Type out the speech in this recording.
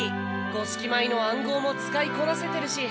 五色米の暗号も使いこなせてるし。